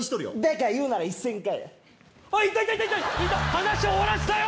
話終わらしたよ！